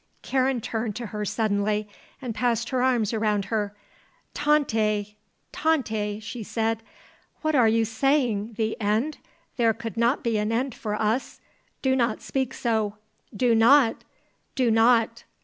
Karen turned to her suddenly, and passed her arms around her. "Tante Tante," she said; "what are you saying? The end? There could not be an end for us! Do not speak so. Do not. Do not."